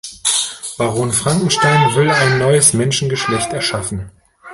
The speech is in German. Baron Frankenstein will ein neues Menschengeschlecht erschaffen.